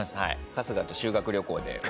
春日と修学旅行で。